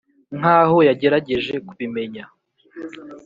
nkaho yagerageje kubimenya